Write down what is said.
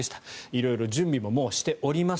色々準備ももうしております。